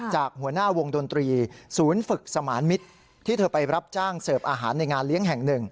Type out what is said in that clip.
หัวหน้าวงดนตรีศูนย์ฝึกสมานมิตรที่เธอไปรับจ้างเสิร์ฟอาหารในงานเลี้ยงแห่งหนึ่ง